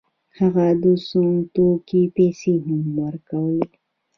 هغه د سونګ توکو پیسې هم ورکولې.